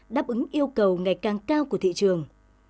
đáp ứng yêu cầu ngày càng cao của thị trường